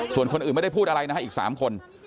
ส่วนคนอื่นไม่ได้พูดอะไรนะฮะอีก๓คน